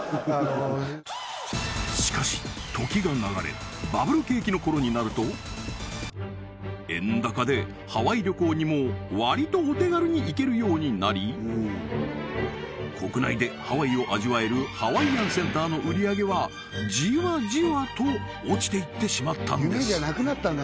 しかし時が流れバブル景気の頃になると円高でハワイ旅行にもわりとお手軽に行けるようになり国内でハワイを味わえるハワイアンセンターの売り上げはじわじわと落ちていってしまったんです